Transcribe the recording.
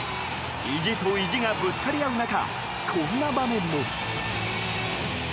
意地と意地がぶつかり合う中こんな場面も。